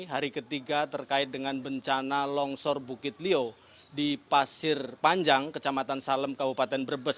hari ketiga terkait dengan bencana longsor bukit lio di pasir panjang kecamatan salem kabupaten brebes